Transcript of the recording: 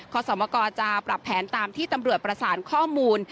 สมกรจะปรับแผนตามที่ตำรวจประสานข้อมูล